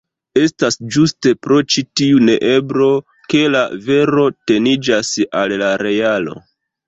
Estas ĝuste pro ĉi tiu neeblo, ke la vero teniĝas al la realo.